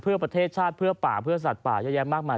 รุ่นประเทศชาติเพื่อป่าเพื่อสัตว์ป่าย้ายมากมาก